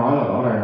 như anh hoa nói